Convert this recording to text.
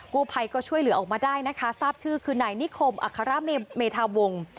กู้ภัยก็ช่วยเหลือออกมาได้นะคะทราบชื่อคือนายนิคมอัครเมธาวงศ์